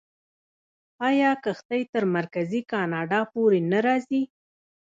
آیا کښتۍ تر مرکزي کاناډا پورې نه راځي؟